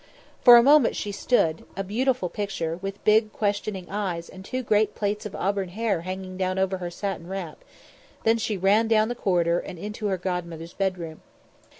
For a moment she stood, a beautiful picture, with big questioning eyes and two great plaits of auburn hair hanging down over her satin wrap; then she ran down the corridor and into her godmother's bedroom.